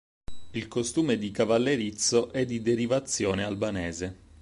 Il costume di Cavallerizzo è di derivazione albanese.